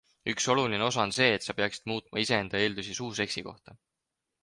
Üks oluline osa on see, et sa peaksid muutma iseenda eeldusi suuseksi kohta.